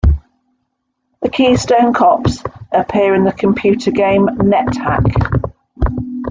The Keystone Kops appear in the computer game "NetHack".